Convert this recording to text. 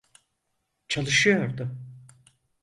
Çalışıyordu.